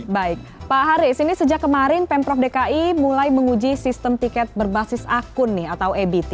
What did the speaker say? baik pak haris ini sejak kemarin pemprov dki mulai menguji sistem tiket berbasis akun atau ebt